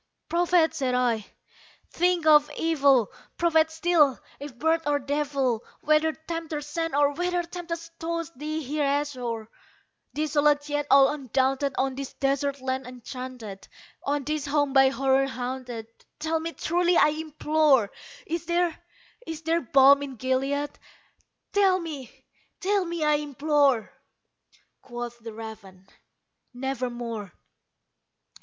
"Prophet!" said I, "thing of evil! prophet still, if bird or devil! Whether Tempter sent, or whether tempest tossed thee here ashore, Desolate yet all undaunted, on this desert land enchanted On this home by Horror haunted tell me truly, I implore Is there is there balm in Gilead? tell me tell me, I implore!" Quoth the raven, "Nevermore."